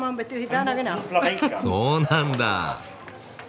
そうなんだ！